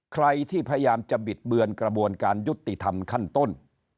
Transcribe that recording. ใครที่พยายามจะบิดเบือนกระบวนการยุติธรรมขั้นต้น